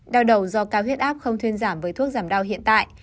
đau đầu do cao huyết áp không thuyên giảm với thuốc giảm đau hiện tại